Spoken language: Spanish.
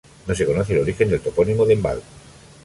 No se conoce el origen del topónimo "Odenwald".